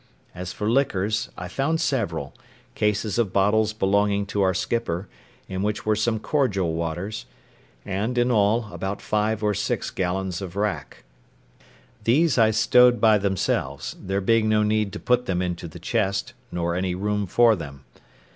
As for liquors, I found several, cases of bottles belonging to our skipper, in which were some cordial waters; and, in all, about five or six gallons of rack. These I stowed by themselves, there being no need to put them into the chest, nor any room for them.